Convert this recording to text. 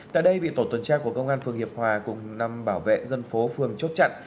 tại đây bị tổ tuần tra của công an phường hiệp hòa cùng năm bảo vệ dân phố phường chốt chặn